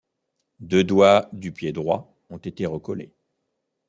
Deux doigts du pied droit ont été recollés.